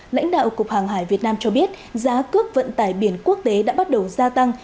lãnh đạo cục hàng hải việt nam cho biết giá cước vận tải biển quốc tế đã bắt đầu gia tăng